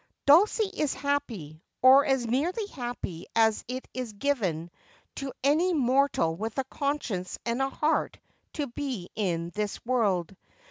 *#*#* Dnlcie is happy, or as nearly happy as it is given to any mortal with a conscience and a heart to be in this world.